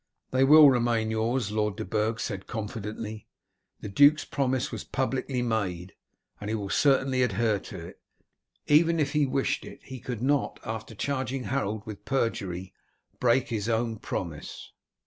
"They will remain yours," Lord de Burg said confidently. "The duke's promise was publicly made, and he will certainly adhere to it; even if he wished it, he could not, after charging Harold with perjury, break his own promise."